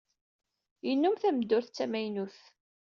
Yennum tameddurt d tamaynut.